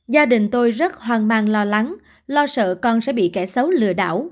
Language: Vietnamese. gia đình tôi rất hoang mang lo lắng lo sợ con sẽ bị kẻ xấu lừa đảo